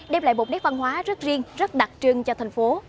đem lại một nét văn hóa rất riêng rất đặc trưng cho thành phố